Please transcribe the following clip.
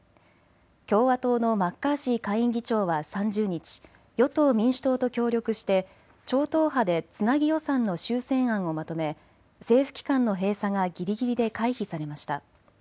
共和党のマッカーシー下院議長は３０日、与党・民主党と協力して超党派でつなぎ予算の修正案をまとめ政府機関の閉鎖がぎりぎりで回避されました。